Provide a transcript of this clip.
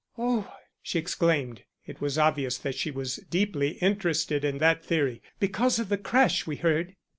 "Oh!" she exclaimed. It was obvious that she was deeply interested in that theory. "Because of the crash we heard?"